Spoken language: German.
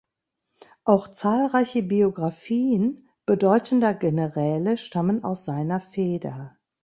Auch zahlreiche Biografien bedeutender Generäle stammen aus seiner Feder.